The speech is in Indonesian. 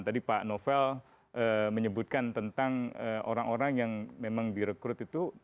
tadi pak novel menyebutkan tentang orang orang yang memang direkrut itu